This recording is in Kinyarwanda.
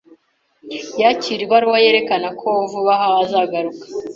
Yakiriye ibaruwa yerekana ko vuba aha azagaruka.